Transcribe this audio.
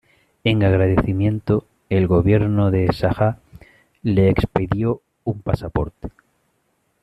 En agradecimiento, el gobierno de Sharjah le expidió un pasaporte.